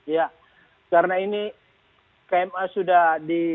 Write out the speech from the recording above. ya karena ini kma sudah di